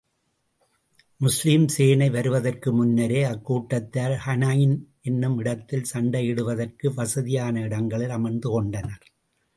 முஸ்லிம் சேனை வருவதற்கு முன்னரே, அக்கூட்டத்தார் ஹூனைன் என்னும் இடத்தில், சண்டையிடுவதற்கு வசதியான இடங்களில் அமர்ந்து கொண்டனர்.